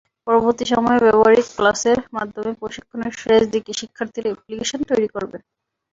পরবর্তী সময়ে ব্যবহারিক ক্লাসের মাধ্যমে প্রশিক্ষণের শেষ দিকে শিক্ষার্থীরা অ্যাপ্লিকেশন তৈরি করবেন।